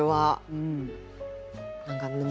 うん。